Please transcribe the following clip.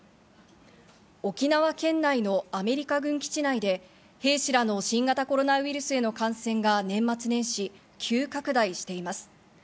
沖縄県内のアメリカ軍基地内で兵士らの新型コロナウイルスへの感染が年末年始、急拡大しています。